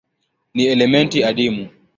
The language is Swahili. Ni elementi adimu.